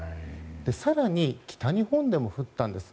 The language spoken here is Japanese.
更に北日本でも降ったんです。